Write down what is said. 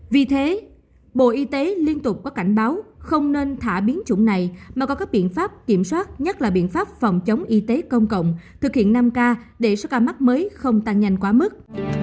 vì thế bộ y tế liên tục có cảnh báo không nên thả biến chủng này mà có các biện pháp kiểm soát nhất là biện pháp phòng chống y tế công cộng thực hiện năm k để số ca mắc mới không tăng nhanh quá mức